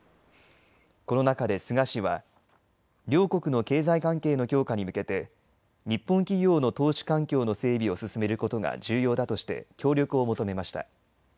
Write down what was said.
この中で菅氏は両国の経済関係の強化に向けて日本企業の投資環境の整備を進めることが重要だとして協力を求めました。